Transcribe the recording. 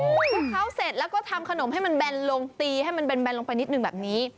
คือเขาเสร็จแล้วก็ทำขนมให้มันแบนลงตีให้มันแบนลงไปนิดนึงแบบนี้